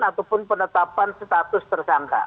ataupun penetapan status tersatunya